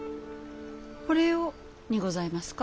これをにございますか？